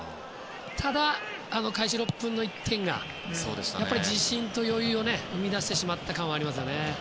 ただ、開始６分の１点がやっぱり自信と余裕を生み出してしまった感はありますね。